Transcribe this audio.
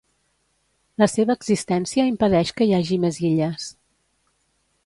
La seva existència impedeix que hi hagi més illes.